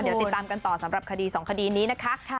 เดี๋ยวติดตามกันต่อสำหรับคดี๒คดีนี้นะคะ